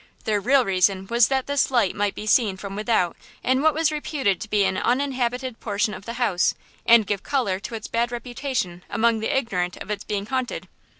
Their real reason was that this light might be seen from without in what was reputed to be an uninhabited portion of the house, and give color to its bad reputation among the ignorant of being haunted.."